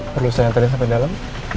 perlu saya telin sampai dalam